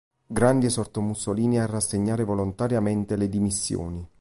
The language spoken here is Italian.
Grandi esortò Mussolini a rassegnare volontariamente le dimissioni.